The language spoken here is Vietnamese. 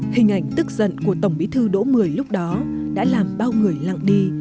hình ảnh tức giận của tổng bí thư đỗ mười lúc đó đã làm bao người lặng đi